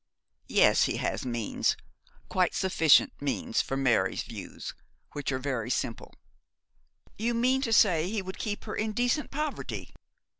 'Yes, he has means; quite sufficient means for Mary's views, which are very simple.' 'You mean to say he would keep her in decent poverty?